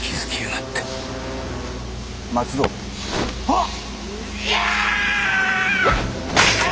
あっ。